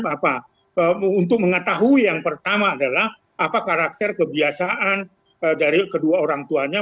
apa untuk mengetahui yang pertama adalah apa karakter kebiasaan dari kedua orang tuanya